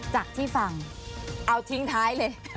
จากที่ฟังเอาทิ้งท้ายเลย